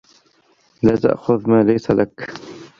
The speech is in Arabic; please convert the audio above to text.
لَا تَأْخُذْ مَا لَيْسَ لَكَ.